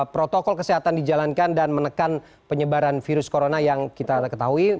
protokol kesehatan dijalankan dan menekan penyebaran virus corona yang kita ketahui